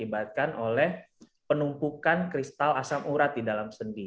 dibatkan oleh penumpukan kristal asam urat di dalam sendi